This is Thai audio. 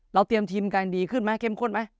เราเตรียมทีมกันดีขึ้นไหม